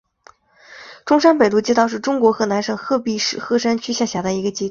中山北路街道是中国河南省鹤壁市鹤山区下辖的一个街道。